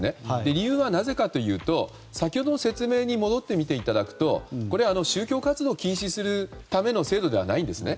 理由はなぜかというと先ほどの説明に戻っていただくとこれは宗教活動を禁止するための制度ではないんですね。